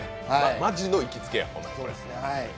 マジの行きつけや。